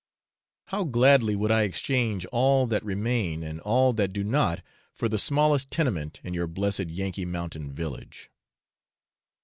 How gladly would I exchange all that remain and all that do not, for the smallest tenement in your blessed Yankee mountain village!